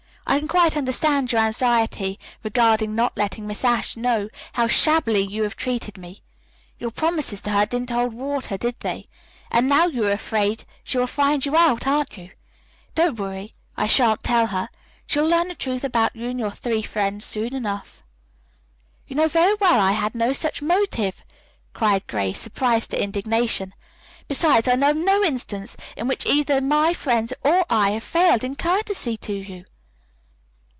"I can quite understand your anxiety regarding not letting Miss Ashe know how shabbily you have treated me. Your promises to her didn't hold water, did they? And now you are afraid she will find you out, aren't you? Don't worry, I shan't tell her. She'll learn the truth about you and your three friends soon enough." "You know very well I had no such motive," cried Grace, surprised to indignation. "Besides, I know of no instance in which either my friends or I have failed in courtesy to you."